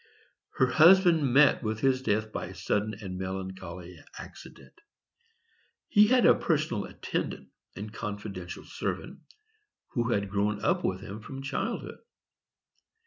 Her husband met with his death by a sudden and melancholy accident. He had a personal attendant and confidential servant who had grown up with him from childhood.